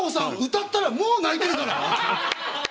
歌ったらもう泣いてるから。